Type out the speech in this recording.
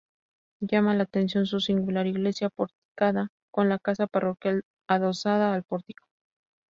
Llama la atención su singular iglesia porticada, con la casa parroquial adosada al pórtico.